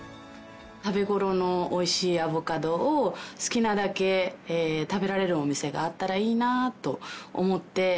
食べ頃の美味しいアボカドを好きなだけ食べられるお店があったらいいなと思って。